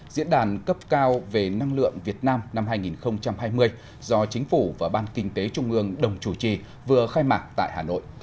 diễn đàn cấp cao về năng lượng việt nam năm hai nghìn hai mươi do chính phủ và ban kinh tế trung ương đồng chủ trì vừa khai mạc tại hà nội